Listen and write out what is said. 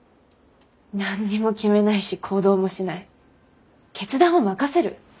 何にも決めないし行動もしない決断は任せる。